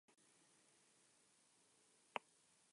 Pero nunca pusieron ni un ladrillo.